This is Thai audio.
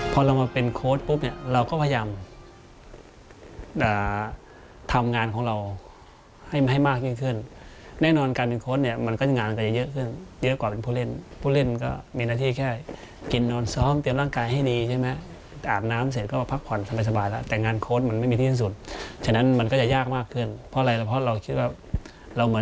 พอเรามาเป็นโค้ดปุ๊บเนี่ยเราก็พยายามทำงานของเราให้มากยิ่งขึ้นแน่นอนการเป็นโค้ชเนี่ยมันก็จะงานก็จะเยอะขึ้นเยอะกว่าเป็นผู้เล่นผู้เล่นก็มีหน้าที่แค่กินนอนซ้อมเตรียมร่างกายให้ดีใช่ไหมอาบน้ำเสร็จก็มาพักผ่อนสบายแล้วแต่งานโค้ดมันไม่มีที่สิ้นสุดฉะนั้นมันก็จะยากมากขึ้นเพราะอะไรเพราะเราคิดว่าเราเหมือน